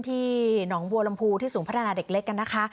ที่หนองบัวระมภูที่สภุพัฒนาเด็กเล็กกันนะคะ